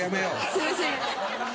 すいません。